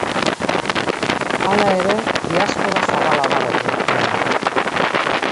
Hala ere, diaspora zabala dago Turkian.